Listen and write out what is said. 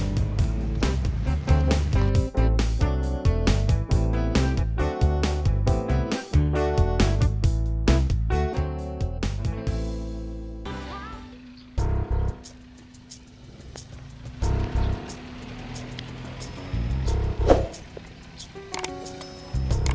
kamu ngapain di sini